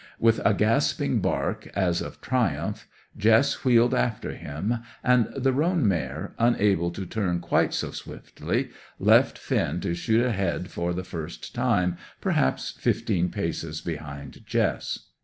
With a gasping bark, as of triumph, Jess wheeled after him, and the roan mare, unable to turn quite so swiftly, left Finn to shoot ahead for the first time, perhaps fifteen paces behind Jess.